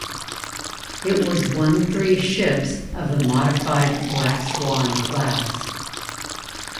It was one three ships of the modified "Black Swan" class.